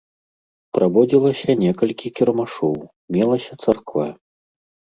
Праводзілася некалькі кірмашоў, мелася царква.